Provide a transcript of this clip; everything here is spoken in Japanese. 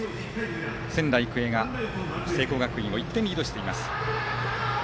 仙台育英が聖光学院を１点リードしています。